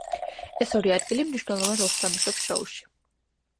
ეს ორი ადგილი მნიშვნელოვან როლს თამაშობს შოუში.